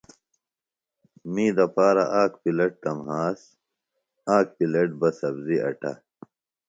می دپارہ آک پِلیٹ تہ مھاس، آک پِلیٹ بہ سبزیۡ اٹہ۔